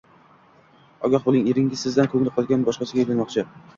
Ogoh boʻling, eringizning sizdan koʻngli qolgan, boshqasiga uylanmoqchi